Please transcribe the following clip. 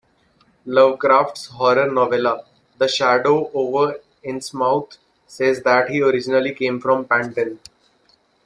Lovecraft's horror novella "The Shadow Over Innsmouth" says that he originally came from Panton.